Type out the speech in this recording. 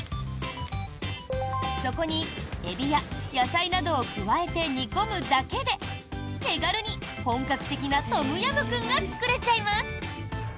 そこにエビや野菜などを加えて煮込むだけで手軽に本格的なトムヤムクンが作れちゃいます。